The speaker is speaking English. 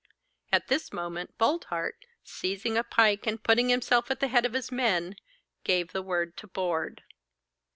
At this moment, Boldheart, seizing a pike and putting himself at the head of his men, gave the word to board.